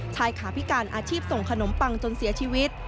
ชายขาพิการอาชีพส่งขนมปังจนเสียชีวิต